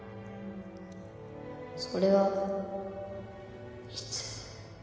それはいつ？